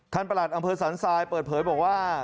ท่านประหลาดอำเภอสรรซายเปิดเผยบอกว่า